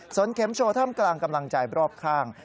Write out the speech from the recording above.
นเข็มโชว์ท่ามกลางกำลังใจรอบข้าง